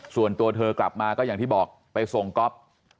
ส่วนตัวเธอกลับมาก็อย่างที่บอกไปส่งก๊อฟ